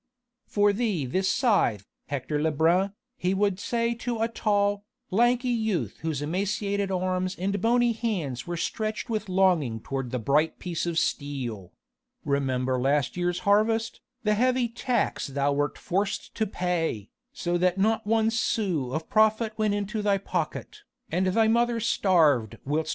"For thee this scythe, Hector Lebrun," he would say to a tall, lanky youth whose emaciated arms and bony hands were stretched with longing toward the bright piece of steel; "remember last year's harvest, the heavy tax thou wert forced to pay, so that not one sou of profit went into thy pocket, and thy mother starved whilst M.